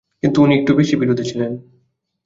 কিন্তু উনি একটু বেশি বিরোধী ছিলেন।